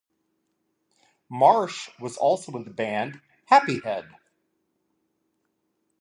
Marsh was also in the band Happyhead.